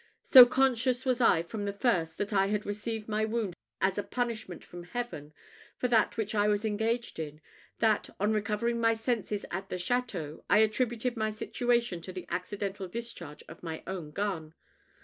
So conscious was I from the first that I had received my wound as a punishment from Heaven for that which I was engaged in, that, on recovering my senses at the château, I attributed my situation to the accidental discharge of my own gun.